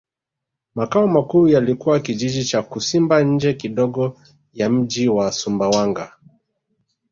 Makao makuu yalikuwa Kijiji cha Kisumba nje kidogo ya mji wa Sumbawanga